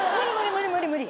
無理無理無理。